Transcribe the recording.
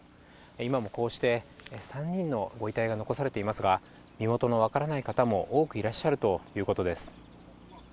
今もこうして３人のご遺体が残されていますが、身元の分からない方も多くいらっしゃるということです。